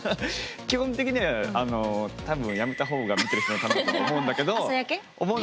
基本的には多分やめたほうが見てる人のためだと思うんだけど。